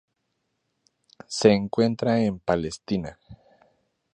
Se encuentra en Palestina.